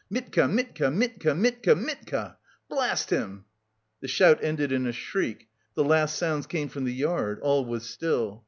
"Mitka! Mitka! Mitka! Mitka! Mitka! Blast him!" The shout ended in a shriek; the last sounds came from the yard; all was still.